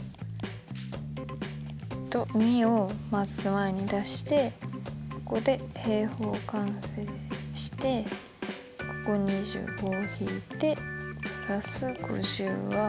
えっと２をまず前に出してここで平方完成して５×５＝２５を引いて＋５０は。